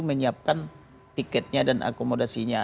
menyiapkan tiketnya dan akomodasinya